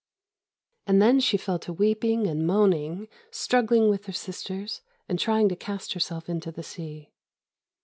"And then she fell to weeping and moaning, struggling with her sisters, and trying to cast herself into the sea.